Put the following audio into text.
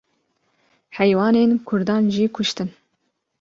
heywanên Kurdan jî kuştin.